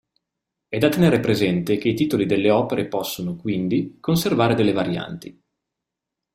È da tener presente che i titoli delle opere possono, quindi, conservare delle varianti.